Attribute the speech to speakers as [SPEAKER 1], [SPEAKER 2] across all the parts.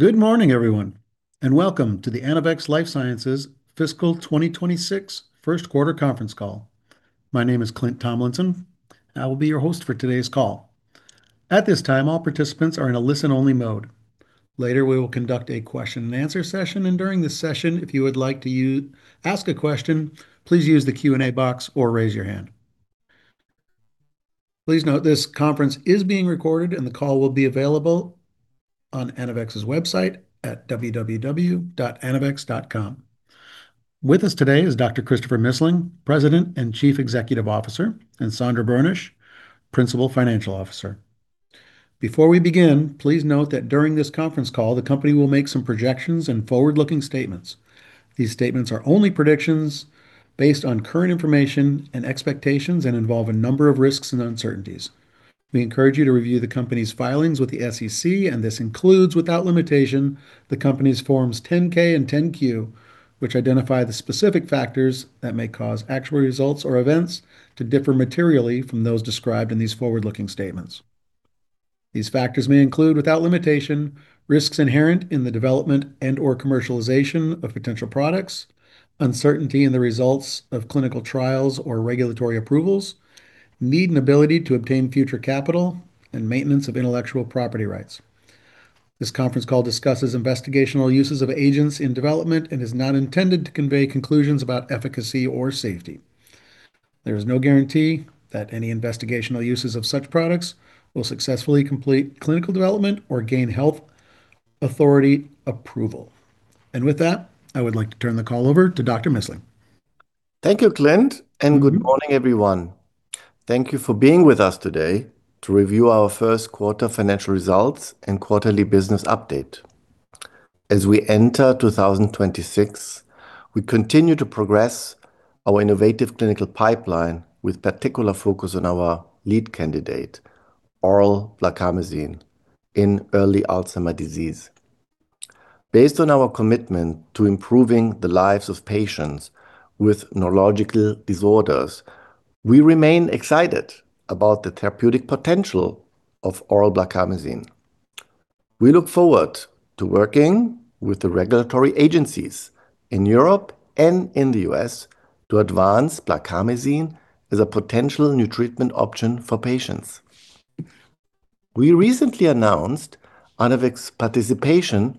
[SPEAKER 1] Good morning, everyone, and welcome to the Anavex Life Sciences fiscal 2026 first quarter conference call. My name is Clint Tomlinson, and I will be your host for today's call. At this time, all participants are in a listen-only mode. Later we will conduct a question-and-answer session, and during this session if you would like to ask a question please use the Q&A box or raise your hand. Please note this conference is being recorded and the call will be available on Anavex's website at www.anavex.com. With us today is Dr. Christopher Missling, President and Chief Executive Officer, and Sandra Boenisch, Principal Financial Officer. Before we begin, please note that during this conference call the company will make some projections and forward-looking statements. These statements are only predictions based on current information and expectations and involve a number of risks and uncertainties. We encourage you to review the company's filings with the SEC, and this includes, without limitation, the company's Forms 10-K and 10-Q, which identify the specific factors that may cause actual results or events to differ materially from those described in these forward-looking statements. These factors may include, without limitation, risks inherent in the development and/or commercialization of potential products, uncertainty in the results of clinical trials or regulatory approvals, need and ability to obtain future capital, and maintenance of intellectual property rights. This conference call discusses investigational uses of agents in development and is not intended to convey conclusions about efficacy or safety. There is no guarantee that any investigational uses of such products will successfully complete clinical development or gain health authority approval. With that, I would like to turn the call over to Dr. Missling.
[SPEAKER 2] Thank you, Clint, and good morning, everyone. Thank you for being with us today to review our first quarter financial results and quarterly business update. As we enter 2026, we continue to progress our innovative clinical pipeline with particular focus on our lead candidate, oral blarcamesine, in early Alzheimer's disease. Based on our commitment to improving the lives of patients with neurological disorders, we remain excited about the therapeutic potential of oral blarcamesine. We look forward to working with the regulatory agencies in Europe and in the U.S. to advance blarcamesine as a potential new treatment option for patients. We recently announced Anavex's participation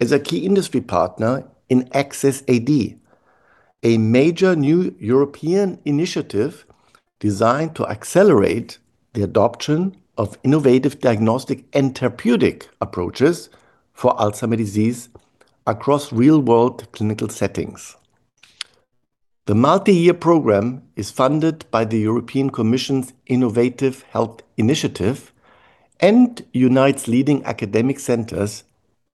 [SPEAKER 2] as a key industry partner in ACCESS-AD, a major new European initiative designed to accelerate the adoption of innovative diagnostic and therapeutic approaches for Alzheimer's disease across real-world clinical settings. The multi-year program is funded by the European Commission's Innovative Health Initiative and unites leading academic centers,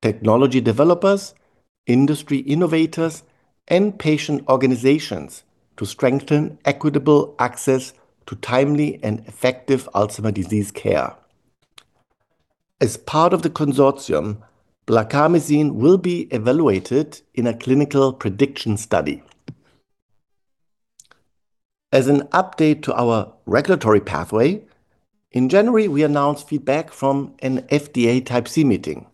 [SPEAKER 2] technology developers, industry innovators, and patient organizations to strengthen equitable access to timely and effective Alzheimer's disease care. As part of the consortium, blarcamesine will be evaluated in a clinical prediction study. As an update to our regulatory pathway, in January we announced feedback from an FDA Type C meeting,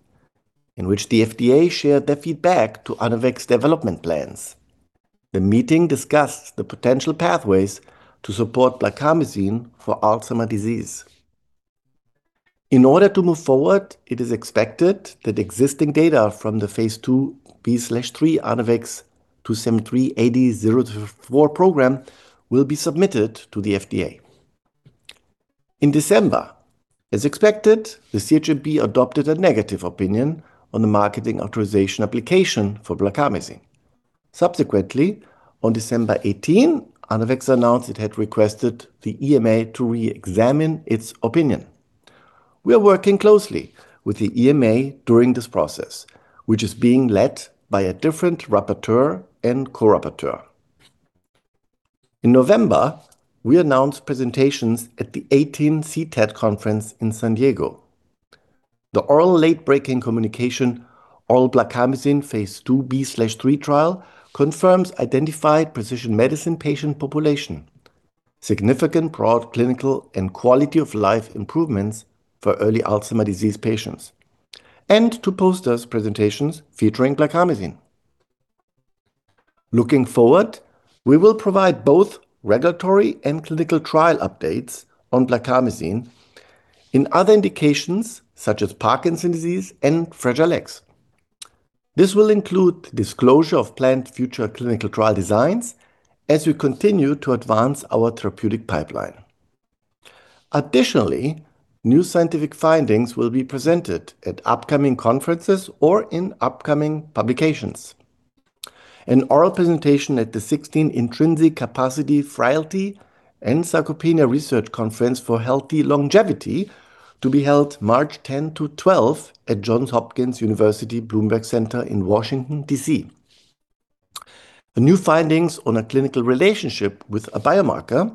[SPEAKER 2] in which the FDA shared their feedback to Anavex's development plans. The meeting discussed the potential pathways to support blarcamesine for Alzheimer's disease. In order to move forward, it is expected that existing data from the phase IIB/III ANAVEX2-73-AD-004 program will be submitted to the FDA. In December, as expected, the CHMP adopted a negative opinion on the marketing authorization application for blarcamesine. Subsequently, on December 18, Anavex announced it had requested the EMA to re-examine its opinion. We are working closely with the EMA during this process, which is being led by a different rapporteur and co-rapporteur. In November, we announced presentations at the 18th CTAD Conference in San Diego. The oral late-breaking communication oral blarcamesine phase IIB/III trial confirms identified precision medicine patient population, significant broad clinical and quality-of-life improvements for early Alzheimer's disease patients, and two poster presentations featuring blarcamesine. Looking forward, we will provide both regulatory and clinical trial updates on blarcamesine in other indications such as Parkinson's disease and Fragile X. This will include disclosure of planned future clinical trial designs as we continue to advance our therapeutic pipeline. Additionally, new scientific findings will be presented at upcoming conferences or in upcoming publications. An oral presentation at the 16th Intrinsic Capacity, Frailty and Sarcopenia Research Conference for Healthy Longevity to be held March 10-12 at Johns Hopkins University Bloomberg Center in Washington, D.C. The new findings on a clinical relationship with a biomarker,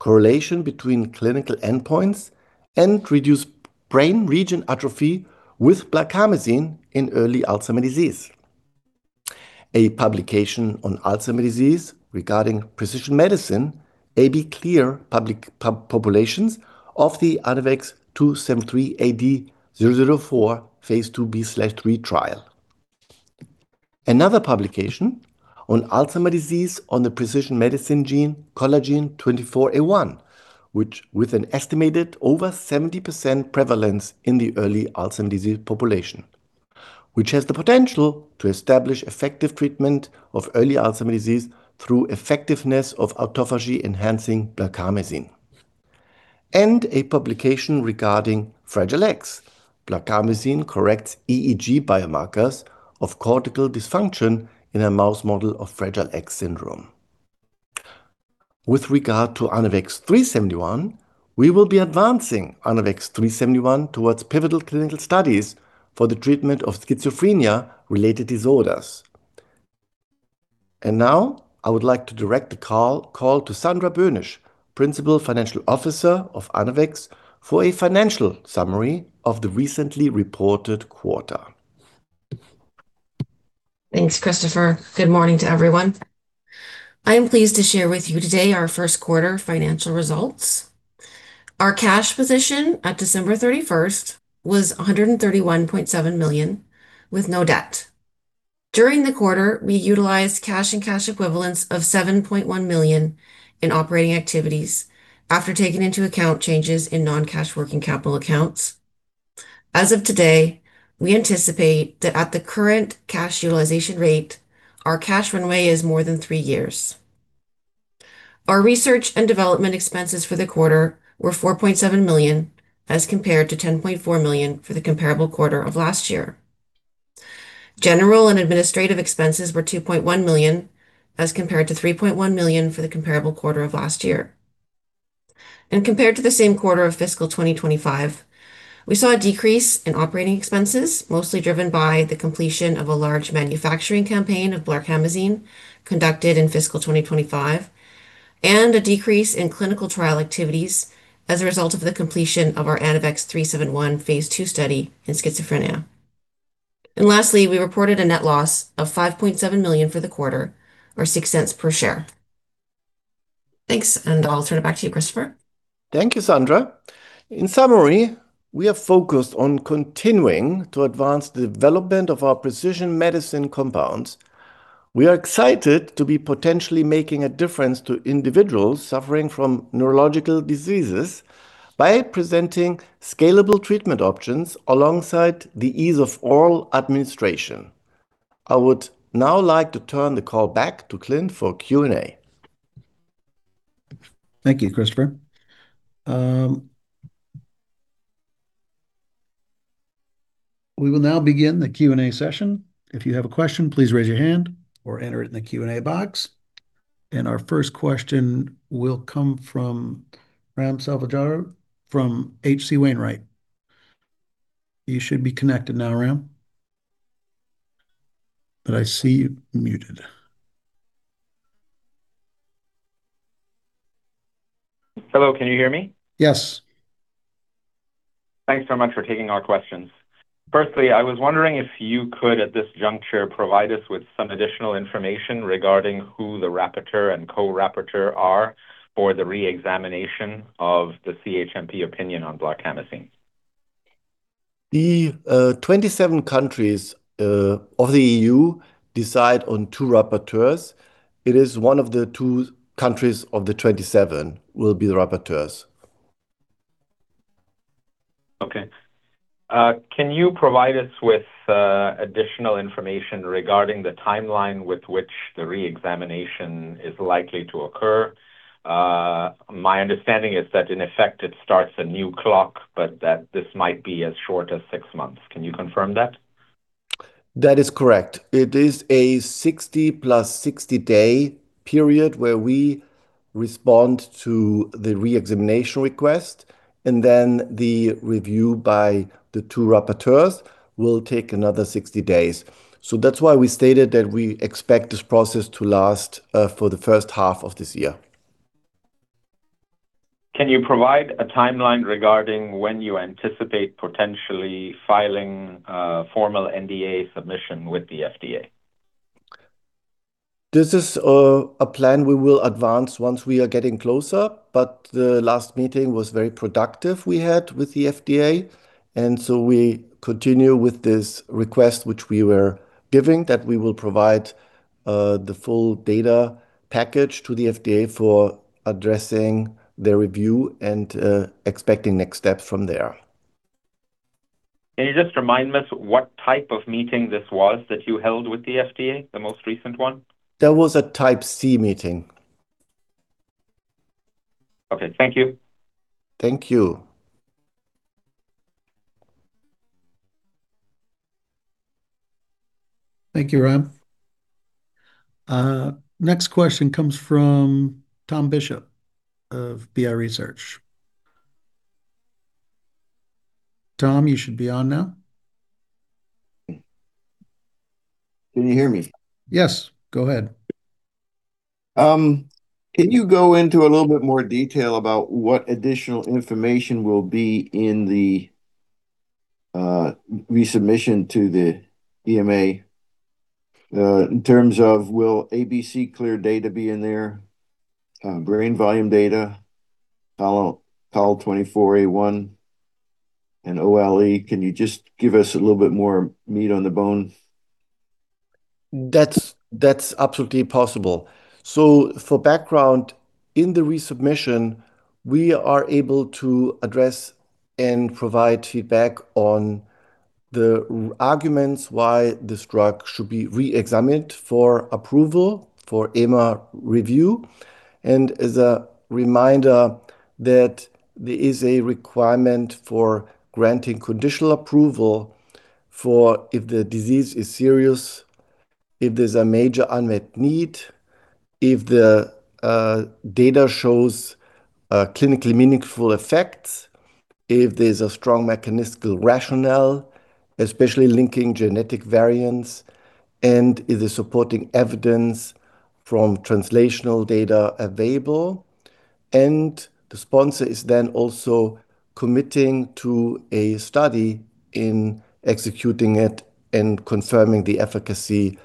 [SPEAKER 2] correlation between clinical endpoints, and reduced brain region atrophy with blarcamesine in early Alzheimer's disease. A publication on Alzheimer's disease regarding Precision Medicine Aβ-Clear patient populations of the ANAVEX2-73 AD-004 phase IIB/III trial. Another publication on Alzheimer's disease on the Precision Medicine gene COL24A1, which with an estimated over 70% prevalence in the early Alzheimer's disease population, which has the potential to establish effective treatment of early Alzheimer's disease through effectiveness of autophagy-enhancing blarcamesine. A publication regarding Fragile X, blarcamesine corrects EEG biomarkers of cortical dysfunction in a mouse model of Fragile X Syndrome. With regard to ANAVEX3-71, we will be advancing ANAVEX3-71 towards pivotal clinical studies for the treatment of schizophrenia-related disorders. And now I would like to direct the call to Sandra Boenisch, Principal Financial Officer of Anavex, for a financial summary of the recently reported quarter.
[SPEAKER 3] Thanks, Christopher. Good morning to everyone. I am pleased to share with you today our first quarter financial results. Our cash position at December 31st was $131.7 million with no debt. During the quarter, we utilized cash and cash equivalents of $7.1 million in operating activities after taking into account changes in non-cash working capital accounts. As of today, we anticipate that at the current cash utilization rate, our cash runway is more than three years. Our research and development expenses for the quarter were $4.7 million as compared to $10.4 million for the comparable quarter of last year. General and administrative expenses were $2.1 million as compared to $3.1 million for the comparable quarter of last year. Compared to the same quarter of fiscal 2025, we saw a decrease in operating expenses, mostly driven by the completion of a large manufacturing campaign of blarcamesine conducted in fiscal 2025, and a decrease in clinical trial activities as a result of the completion of our ANAVEX3-71 phase II study in schizophrenia. And lastly, we reported a net loss of $5.7 million for the quarter, or $0.06 per share. Thanks, and I'll turn it back to you, Christopher.
[SPEAKER 2] Thank you, Sandra. In summary, we have focused on continuing to advance the development of our precision medicine compounds. We are excited to be potentially making a difference to individuals suffering from neurological diseases by presenting scalable treatment options alongside the ease of oral administration. I would now like to turn the call back to Clint for Q&A.
[SPEAKER 1] Thank you, Christopher. We will now begin the Q&A session. If you have a question, please raise your hand or enter it in the Q&A box. Our first question will come from Ram Selvaraju from H.C. Wainwright. You should be connected now, Ram. But I see you muted.
[SPEAKER 4] Hello, can you hear me?
[SPEAKER 1] Yes.
[SPEAKER 4] Thanks so much for taking our questions. Firstly, I was wondering if you could, at this juncture, provide us with some additional information regarding who the rapporteur and co-rapporteur are for the re-examination of the CHMP opinion on blarcamesine.
[SPEAKER 2] The 27 countries of the EU decide on two rapporteurs. It is one of the two countries of the 27 will be the rapporteurs.
[SPEAKER 4] Okay. Can you provide us with additional information regarding the timeline with which the re-examination is likely to occur? My understanding is that in effect it starts at new clock, but that this might be as short as six months. Can you confirm that?
[SPEAKER 2] That is correct. It is a 60 + 60 day period where we respond to the re-examination request, and then the review by the two rapporteurs will take another 60 days. That's why we stated that we expect this process to last for the first half of this year.
[SPEAKER 4] Can you provide a timeline regarding when you anticipate potentially filing formal NDA submission with the FDA?
[SPEAKER 2] This is a plan we will advance once we are getting closer, but the last meeting was very productive we had with the FDA, and so we continue with this request which we were giving that we will provide the full data package to the FDA for addressing their review and expecting next steps from there.
[SPEAKER 4] Can you just remind us what type of meeting this was that you held with the FDA, the most recent one?
[SPEAKER 2] There was a Type C Meeting.
[SPEAKER 4] Okay, thank you.
[SPEAKER 2] Thank you.
[SPEAKER 1] Thank you, Ram. Next question comes from Tom Bishop of BI Research. Tom, you should be on now.
[SPEAKER 5] Can you hear me?
[SPEAKER 1] Yes, go ahead.
[SPEAKER 5] Can you go into a little bit more detail about what additional information will be in the resubmission to the EMA, in terms of will Aβ-Clear data be in there, brain volume data, COL24A1, and OLE? Can you just give us a little bit more meat on the bone?
[SPEAKER 2] That's, that's absolutely possible. So for background, in the resubmission, we are able to address and provide feedback on the arguments why this drug should be re-examined for approval for EMA review, and as a reminder that there is a requirement for granting conditional approval for if the disease is serious, if there's a major unmet need, if the data shows clinically meaningful effects, if there's a strong mechanistic rationale, especially linking genetic variants, and is there supporting evidence from translational data available. And the sponsor is then also committing to a study in executing it and confirming the efficacy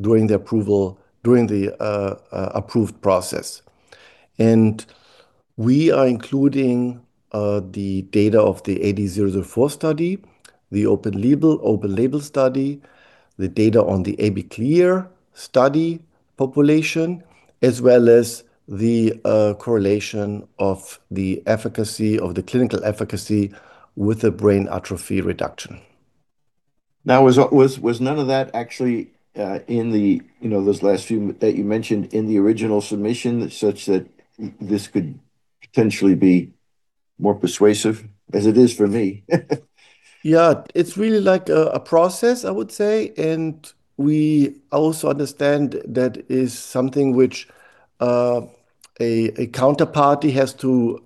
[SPEAKER 2] during the approval during the approved process. And we are including the data of the AD-004 study, the open-label open-label study, the data on the Aβ-Clear study population, as well as the correlation of the efficacy of the clinical efficacy with the brain atrophy reduction.
[SPEAKER 5] Now, was none of that actually in the, you know, those last few that you mentioned in the original submission such that this could potentially be more persuasive as it is for me?
[SPEAKER 2] Yeah, it's really like a process, I would say, and we also understand that is something which a counterparty has to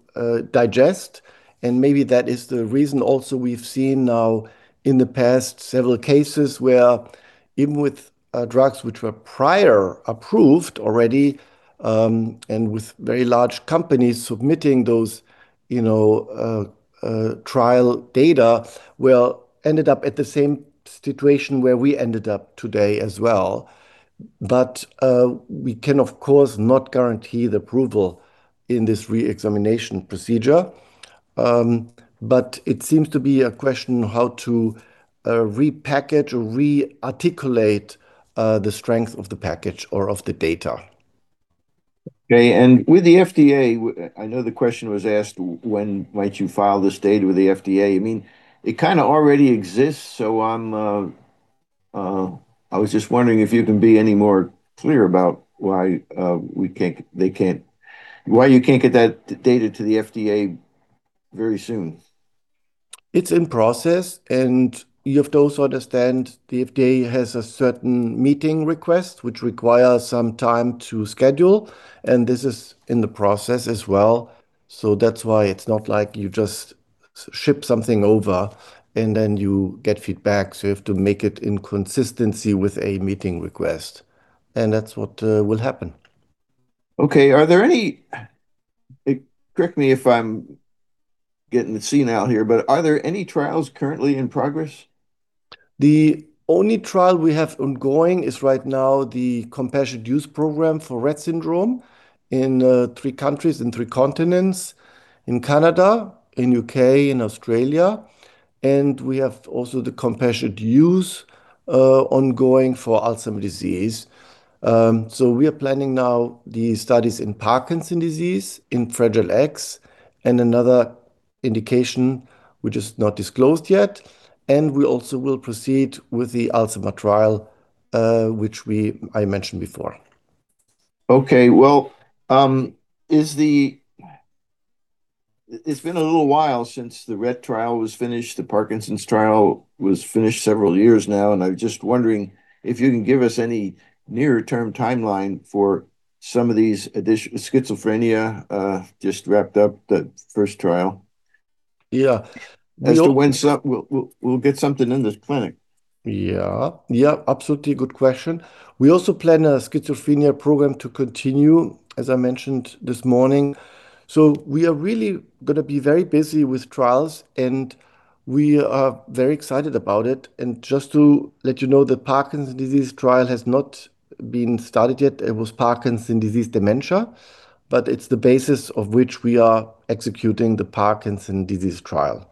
[SPEAKER 2] digest, and maybe that is the reason also we've seen now in the past several cases where even with drugs which were prior approved already, and with very large companies submitting those, you know, trial data we ended up at the same situation where we ended up today as well. But we can, of course, not guarantee the approval in this re-examination procedure, but it seems to be a question how to repackage or re-articulate the strength of the package or of the data.
[SPEAKER 5] Okay, and with the FDA, I know the question was asked when might you file this data with the FDA? I mean, it kind of already exists, so I'm, I was just wondering if you can be any more clear about why, we can't they can't why you can't get that data to the FDA very soon.
[SPEAKER 2] It's in process, and you have to also understand the FDA has a certain meeting request which requires some time to schedule, and this is in the process as well, so that's why it's not like you just ship something over and then you get feedback, so you have to make it in consistency with a meeting request, and that's what will happen.
[SPEAKER 5] Okay, are there any? Correct me if I'm getting the sense wrong here, but are there any trials currently in progress?
[SPEAKER 2] The only trial we have ongoing is right now the compassionate use program for Rett Syndrome in three countries in three continents, in Canada, in U.K., in Australia, and we have also the compassionate use ongoing for Alzheimer's Disease. We are planning now the studies in Parkinson's Disease, in Fragile X Syndrome, and another indication which is not disclosed yet, and we also will proceed with the Alzheimer's trial, which I mentioned before.
[SPEAKER 5] Okay, well, it's been a little while since the Rett trial was finished, the Parkinson's trial was finished several years now, and I'm just wondering if you can give us any near-term timeline for some of these additional schizophrenia, just wrapped up, the first trial.
[SPEAKER 2] Yeah, and.
[SPEAKER 5] As to when, so we'll get something in this clinic.
[SPEAKER 2] Yeah, yeah, absolutely good question. We also plan a schizophrenia program to continue, as I mentioned this morning, so we are really gonna be very busy with trials, and we are very excited about it, and just to let you know the Parkinson's disease trial has not been started yet, it was Parkinson's disease dementia, but it's the basis of which we are executing the Parkinson's disease trial.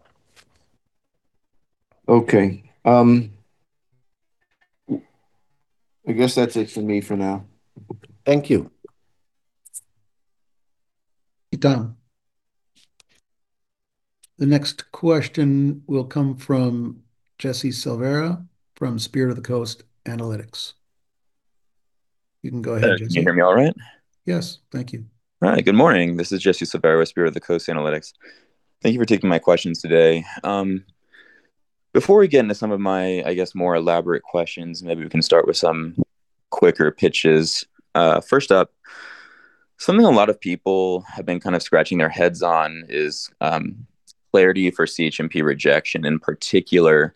[SPEAKER 5] Okay, I guess that's it from me for now.
[SPEAKER 2] Thank you.
[SPEAKER 1] Hey, Tom. The next question will come from Jesse Silveira from Spirit of the Coast Analytics. You can go ahead, Jesse.
[SPEAKER 6] All right, can you hear me all right?
[SPEAKER 1] Yes, thank you.
[SPEAKER 6] All right, good morning. This is Jesse Silveira with Spirit of the Coast Analytics. Thank you for taking my questions today. Before we get into some of my, I guess, more elaborate questions, maybe we can start with some quicker pitches. First up, something a lot of people have been kind of scratching their heads on is, clarity for CHMP rejection. In particular,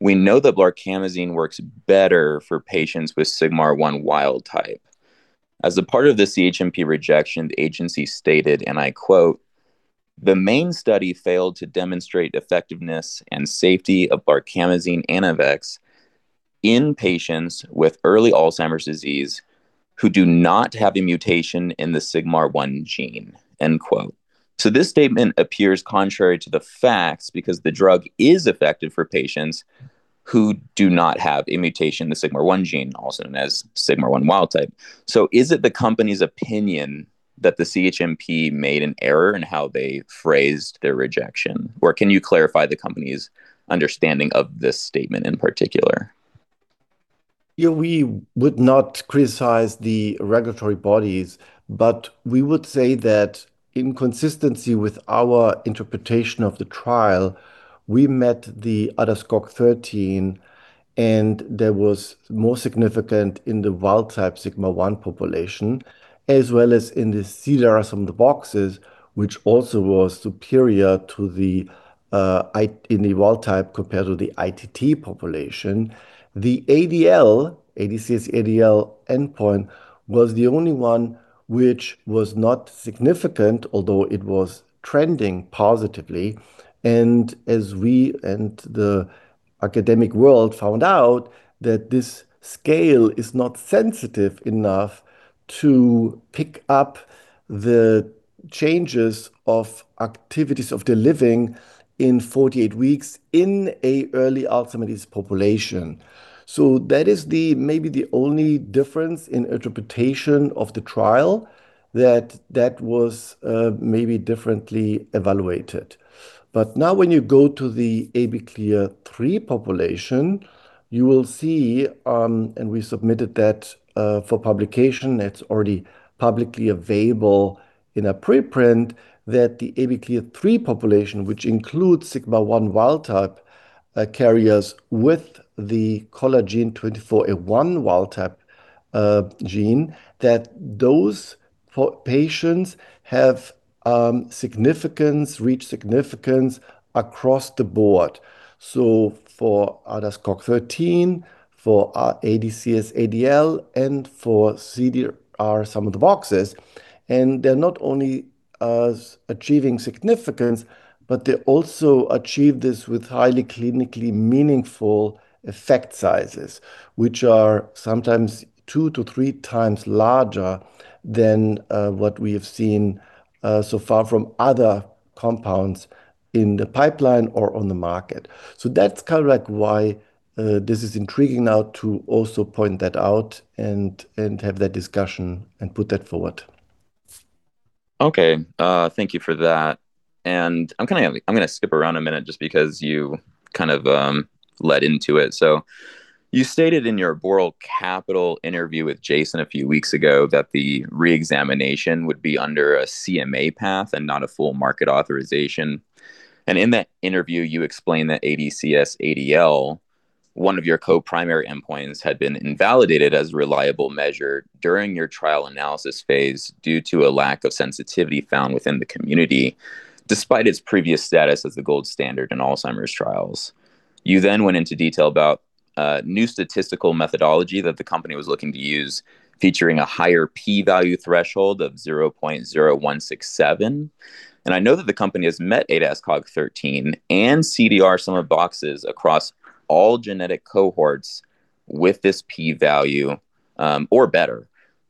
[SPEAKER 6] we know that blarcamesine works better for patients with SIGMAR1 wild type. As a part of the CHMP rejection, the agency stated, and I quote, "The main study failed to demonstrate effectiveness and safety of blarcamesine (Anavex) in patients with early Alzheimer's disease who do not have a mutation in the SIGMAR1 gene." End quote. So this statement appears contrary to the facts because the drug is effective for patients who do not have a mutation in the SIGMAR1 gene, also known as SIGMAR1 wild type. So is it the company's opinion that the CHMP made an error in how they phrased their rejection, or can you clarify the company's understanding of this statement in particular?
[SPEAKER 2] Yeah, we would not criticize the regulatory bodies, but we would say that in consistency with our interpretation of the trial, we met the ADAS-Cog13, and there was more significant in the wild type SIGMAR1 population, as well as in the CDR-SB, which also was superior to the, I in the wild type compared to the ITT population. The ADL, ADCS-ADL endpoint, was the only one which was not significant, although it was trending positively, and as we and the academic world found out that this scale is not sensitive enough to pick up the changes of activities of daily living in 48 weeks in an early Alzheimer's disease population. So that is the maybe the only difference in interpretation of the trial that that was, maybe differently evaluated. But now when you go to the Aβ-Clear 3 population, you will see, and we submitted that, for publication, it's already publicly available in a preprint, that the Aβ-Clear 3 population, which includes SIGMAR1 wild type, carriers with the COL24A1 wild type, gene, that those patients have, significance reach significance across the board. So for ADAS-Cog13, for ADCS-ADL, and for CDR-SB, and they're not only achieving significance, but they also achieve this with highly clinically meaningful effect sizes, which are sometimes 2x-3x times larger than, what we have seen, so far from other compounds in the pipeline or on the market. So that's kind of like why, this is intriguing now to also point that out and, and have that discussion and put that forward.
[SPEAKER 6] Okay, thank you for that. And I'm kind of gonna I'm gonna skip around a minute just because you kind of led into it. So you stated in your Boral Capital interview with Jason a few weeks ago that the re-examination would be under a CMA path and not a full Marketing Authorization. And in that interview, you explained that ADCS-ADL, one of your co-primary endpoints, had been invalidated as a reliable measure during your trial analysis phase due to a lack of sensitivity found within the community despite its previous status as the gold standard in Alzheimer's trials. You then went into detail about new statistical methodology that the company was looking to use featuring a higher p-value threshold of 0.0167. And I know that the company has met ADAS-Cog13 and CDR-SB across all genetic cohorts with this p-value, or better.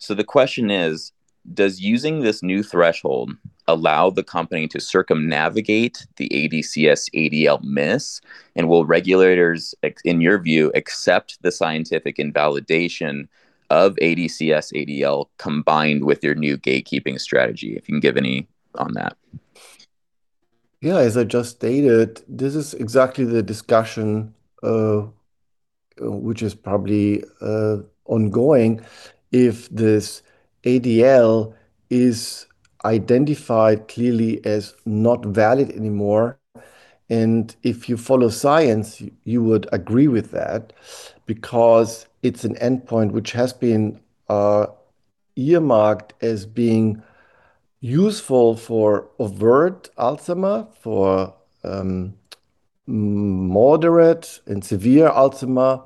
[SPEAKER 6] The question is, does using this new threshold allow the company to circumnavigate the ADCS-ADL miss, and will regulators, ex in your view, accept the scientific invalidation of ADCS-ADL combined with your new gatekeeping strategy? If you can give any on that.
[SPEAKER 2] Yeah, as I just stated, this is exactly the discussion, which is probably ongoing if this ADL is identified clearly as not valid anymore, and if you follow science, you would agree with that because it's an endpoint which has been earmarked as being useful for overt Alzheimer's, for moderate and severe Alzheimer's,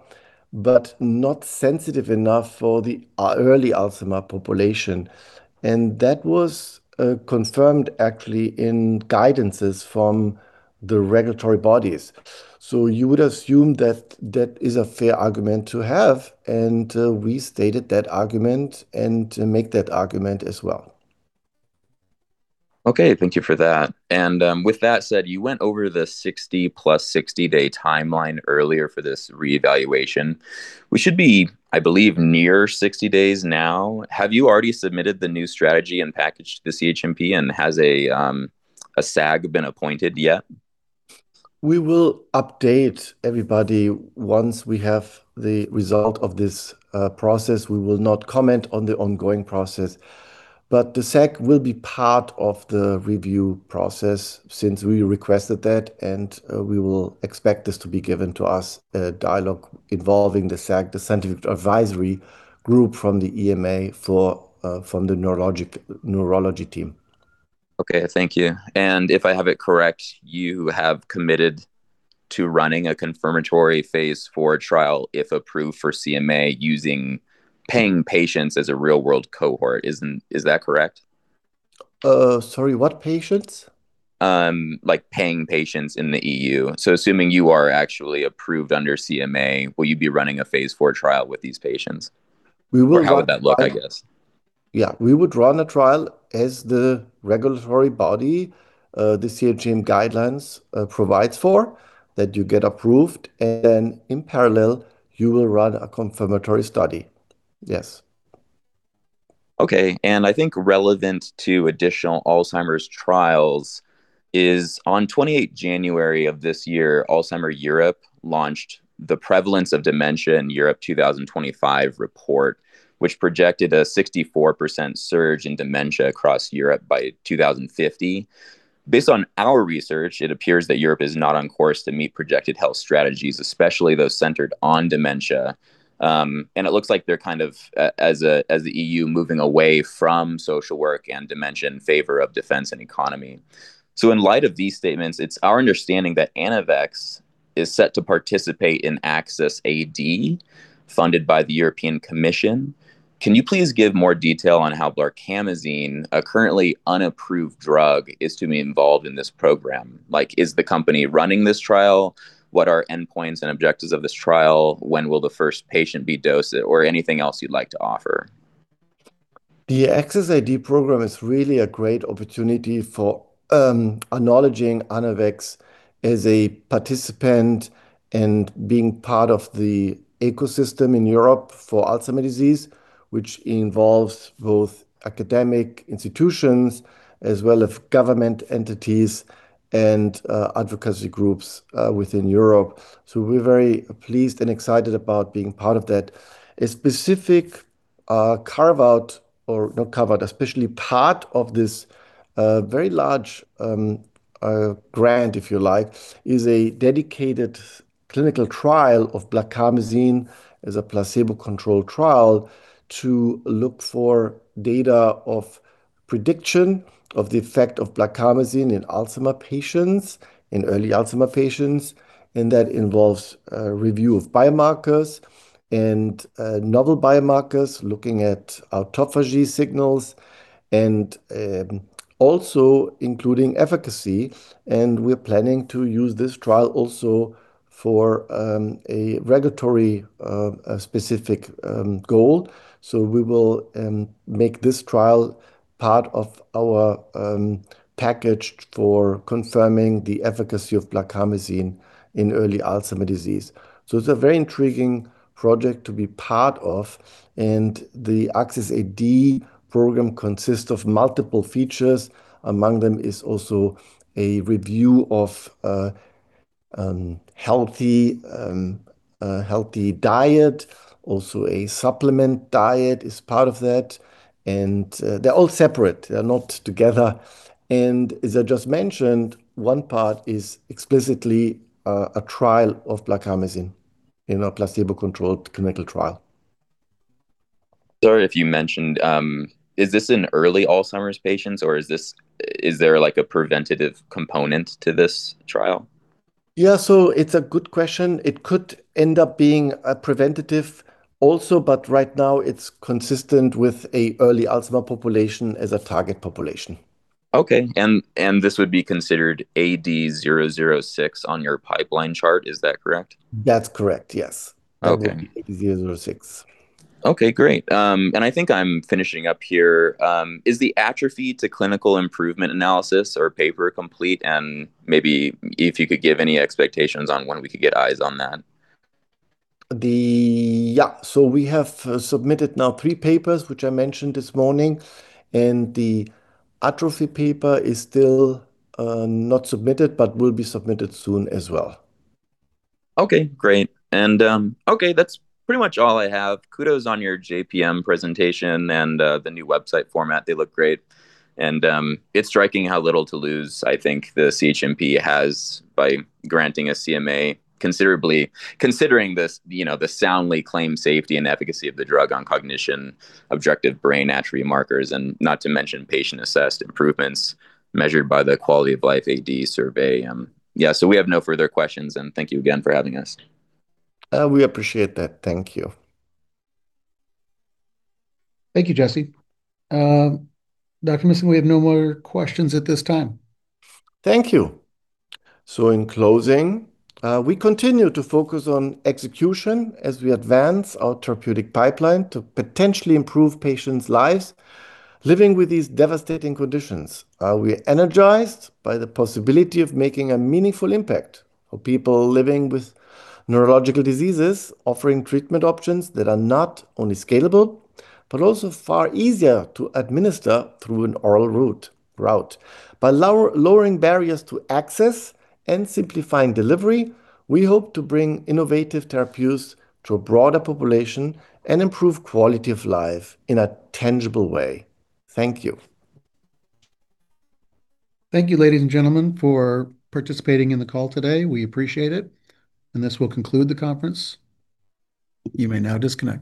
[SPEAKER 2] but not sensitive enough for the early Alzheimer's population, and that was confirmed actually in guidances from the regulatory bodies. So you would assume that that is a fair argument to have, and we stated that argument and make that argument as well.
[SPEAKER 6] Okay, thank you for that. With that said, you went over the 60 + 60 day timeline earlier for this re-evaluation. We should be, I believe, near 60 days now. Have you already submitted the new strategy and package to the CHMP, and has a SAG been appointed yet?
[SPEAKER 2] We will update everybody once we have the result of this process. We will not comment on the ongoing process, but the SAG will be part of the review process since we requested that, and we will expect this to be given to us, a dialogue involving the SAG, the scientific advisory group from the EMA for the neurology team.
[SPEAKER 6] Okay, thank you. If I have it correct, you have committed to running a confirmatory phase for a trial if approved for CMA using paying patients as a real-world cohort. Isn't that correct?
[SPEAKER 2] Sorry, what patients?
[SPEAKER 6] like paying patients in the E.U. Assuming you are actually approved under CMA, will you be running a phase IV trial with these patients?
[SPEAKER 2] We will run.
[SPEAKER 6] Or how would that look, I guess?
[SPEAKER 2] Yeah, we would run a trial as the regulatory body, the CHMP guidelines, provides for that you get approved, and then in parallel, you will run a confirmatory study. Yes.
[SPEAKER 6] Okay, and I think relevant to additional Alzheimer's trials is on 28 January of this year, Alzheimer's Europe launched the Prevalence of Dementia in Europe 2025 report, which projected a 64% surge in dementia across Europe by 2050. Based on our research, it appears that Europe is not on course to meet projected health strategies, especially those centered on dementia, and it looks like they're kind of as the EU moving away from social work and dementia in favor of defense and economy. So in light of these statements, it's our understanding that Anavex is set to participate in ACCESS-AD, funded by the European Commission. Can you please give more detail on how blarcamesine, a currently unapproved drug, is to be involved in this program? Like, is the company running this trial? What are endpoints and objectives of this trial? When will the first patient be dosed, or anything else you'd like to offer?
[SPEAKER 2] The ACCESS-AD program is really a great opportunity for acknowledging Anavex as a participant and being part of the ecosystem in Europe for Alzheimer's disease, which involves both academic institutions as well as government entities and advocacy groups within Europe. So we're very pleased and excited about being part of that. A specific carve-out or not carve-out, especially part of this very large grant, if you like, is a dedicated clinical trial of blarcamesine as a placebo-controlled trial to look for data of prediction of the effect of blarcamesine in Alzheimer's patients, in early Alzheimer's patients, and that involves review of biomarkers and novel biomarkers, looking at autophagy signals and also including efficacy. And we're planning to use this trial also for a regulatory specific goal. So we will make this trial part of our package for confirming the efficacy of blarcamesine in early Alzheimer's disease. So it's a very intriguing project to be part of, and the ACCESS-AD program consists of multiple features. Among them is also a review of healthy diet, also a supplement diet is part of that, and they're all separate, they're not together, and as I just mentioned, one part is explicitly a trial of blarcamesine in a placebo-controlled clinical trial.
[SPEAKER 6] Sorry if you mentioned, is this in early Alzheimer's patients or is there like a preventative component to this trial?
[SPEAKER 2] Yeah, so it's a good question. It could end up being a preventative also, but right now it's consistent with an early Alzheimer's population as a target population.
[SPEAKER 6] Okay, and this would be considered AD006 on your pipeline chart, is that correct?
[SPEAKER 2] That's correct, yes. That would be AD006.
[SPEAKER 6] Okay, great. I think I'm finishing up here. Is the autophagy to clinical improvement analysis or paper complete, and maybe if you could give any expectations on when we could get eyes on that?
[SPEAKER 2] Yeah, so we have submitted now three papers which I mentioned this morning, and the atrophy paper is still not submitted but will be submitted soon as well.
[SPEAKER 6] Okay, great. And, okay, that's pretty much all I have. Kudos on your JPM presentation and the new website format. They look great. And, it's striking how little to lose, I think, the CHMP has by granting a MAA considerably considering this, you know, the sound clinical safety and efficacy of the drug on cognition, objective brain atrophy markers, and not to mention patient-assessed improvements measured by the quality-of-life AD survey. Yeah, so we have no further questions, and thank you again for having us.
[SPEAKER 2] We appreciate that. Thank you.
[SPEAKER 1] Thank you, Jesse. Dr. Missling, we have no more questions at this time.
[SPEAKER 2] Thank you. So in closing, we continue to focus on execution as we advance our therapeutic pipeline to potentially improve patients' lives living with these devastating conditions. We're energized by the possibility of making a meaningful impact for people living with neurological diseases, offering treatment options that are not only scalable but also far easier to administer through an oral route. By lowering barriers to access and simplifying delivery, we hope to bring innovative therapeutics to a broader population and improve quality of life in a tangible way. Thank you.
[SPEAKER 1] Thank you, ladies and gentlemen, for participating in the call today. We appreciate it, and this will conclude the conference. You may now disconnect.